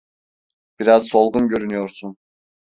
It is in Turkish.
Biraz solgun görünüyorsun.